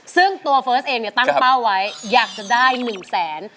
ซึ่งตัวเฟิร์สเองตั้งเป้าไว้อยากจะได้หนึ่งแสน